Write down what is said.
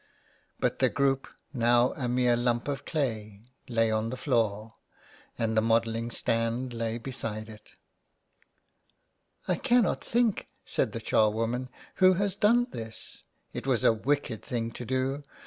But the group, now a mere lump of clay, lay on the floor, and the modelling stand lay beside it *' I cannot think," said the charwoman, *' who has done this. It was a wicked thing to do.